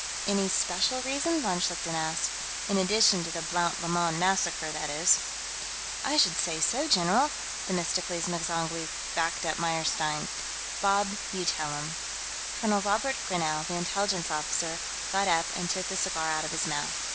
"Any special reason?" von Schlichten asked. "In addition to the Blount Lemoyne massacre, that is?" "I should say so, general!" Themistocles M'zangwe backed Meyerstein up. "Bob, you tell him." Colonel Robert Grinell, the Intelligence officer, got up and took the cigar out of his mouth.